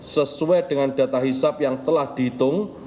sesuai dengan data hisap yang telah dihitung